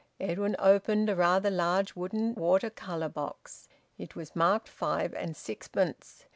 Edwin opened a rather large wooden water colour box. It was marked five and sixpence.